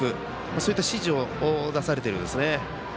そういった指示を出されているようですね。